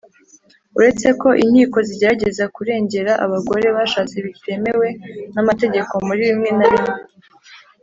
uretse ko inkiko zigerageza kurengera abagore bashatse bitemewe n’amategeko muri bimwe na bimwe.